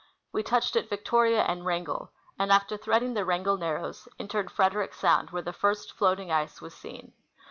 We touched at Victoria and Wrangell, and, after threading the Wrangell narrows, entered Frederick sound, where the first floating ice was seen.